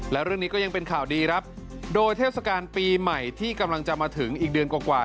และเรื่องนี้ก็ยังเป็นข่าวดีครับโดยเทศกาลปีใหม่ที่กำลังจะมาถึงอีกเดือนกว่า